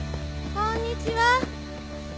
こんにちは。